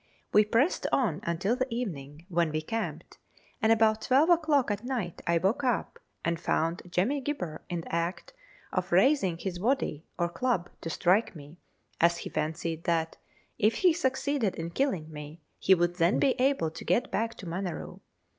We pressed on until the evening, when Ave camped, and about twelve o'clock at night I woke up, and found Jemmy Gibber in the act of raising his waddy or club Letters from Victorian Pioneers. '>'> to strike me, as he fancied that, if ho succeeded in killing me, ho would then be able to get back to Maneroo.